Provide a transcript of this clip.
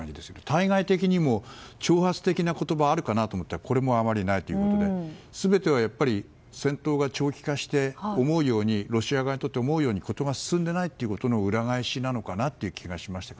対外的にも挑発的な言葉があるかなと思ったらこれもあまりないということで全てはやっぱり戦闘が長期化してロシア側にとって思うように事が進んでいないことの裏返しなのかという気がしました。